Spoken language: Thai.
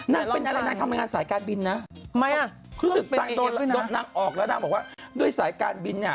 นั้นเป็นอะไรนั้นทำงานสายการบินนะ